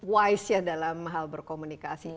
wise ya dalam hal berkomunikasi